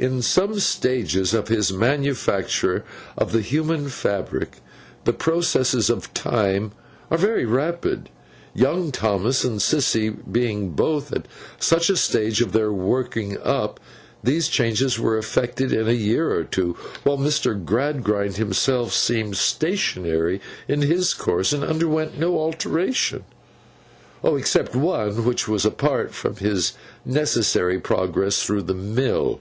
In some stages of his manufacture of the human fabric, the processes of Time are very rapid. Young Thomas and Sissy being both at such a stage of their working up, these changes were effected in a year or two; while Mr. Gradgrind himself seemed stationary in his course, and underwent no alteration. Except one, which was apart from his necessary progress through the mill.